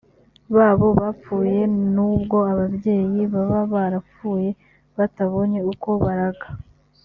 babo bapfuye nubwo ababyeyi baba barapfuye batabonye uko baraga